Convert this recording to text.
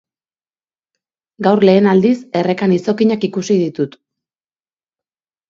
Gaur lehen aldiz errekan izokinak ikusi ditut.